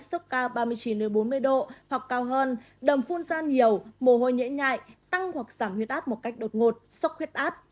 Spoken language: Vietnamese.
sốc cao ba mươi chín bốn mươi độ hoặc cao hơn đầm phun dan nhiều mồ hôi nhễ tăng hoặc giảm huyết áp một cách đột ngột sốc huyết áp